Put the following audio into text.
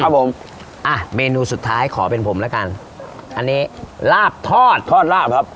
ครับผมอ่ะเมนูสุดท้ายขอเป็นผมแล้วกันอันนี้ลาบทอดทอดลาบครับ